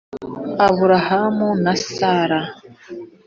aburahamu na sara